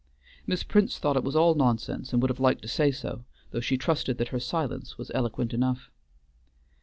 Miss Prince thought it was all nonsense and would have liked to say so, though she trusted that her silence was eloquent enough.